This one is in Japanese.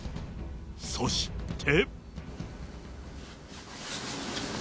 そして。